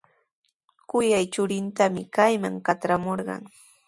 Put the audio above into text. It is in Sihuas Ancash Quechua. Kuyay churintami kayman katramurqan.